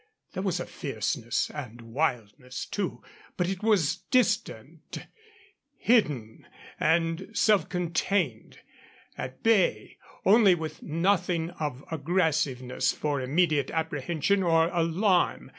There was a fierceness and wildness, too, but it was distant, hidden, and self contained; at bay, only with nothing of aggressiveness for immediate apprehension or alarm.